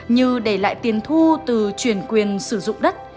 như để lại tiền thu từ chuyển quyền sử dụng đất